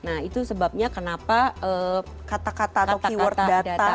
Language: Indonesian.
nah itu sebabnya kenapa kata kata atau keyword data